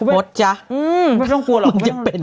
ไม่ต้องกลัวหรอก